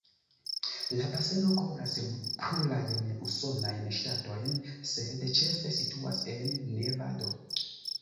La baseno kovras plurajn usonajn ŝtatojn, sed ĉefe situas en Nevado.